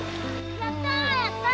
やったァ‼